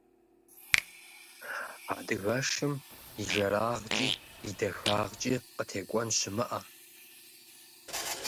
Адыгэшым и жэрагъкӏи и дахагъкӏи къытекӏуэн щымыӏэ!